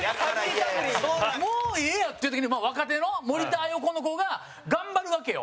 陣内：もうええやんっていう時に若手のモニター横の子が頑張るわけよ。